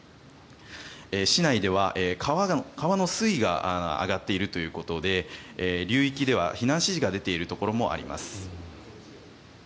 市内では川の水位が上がっているということで流域では避難指示が出ているところもあります。